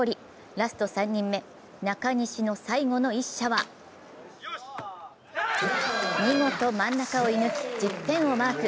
ラスト３人目、中西の最後の一射は見事、真ん中を射ぬき１０点をマーク。